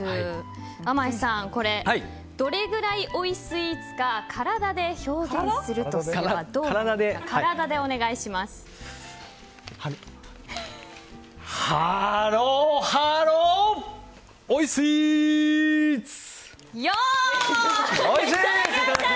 あまいさん、これをどれぐらいおいスイーツか体で表現するとすればどうなりますか？